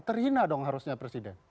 terhina dong harusnya presiden